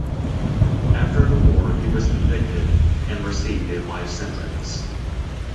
After the war he was convicted, and received a life sentence.